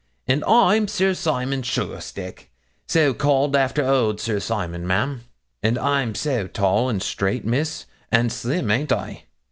and I'm Sir Simon Sugarstick so called after old Sir Simon, ma'am; and I'm so tall and straight, Miss, and slim ain't I?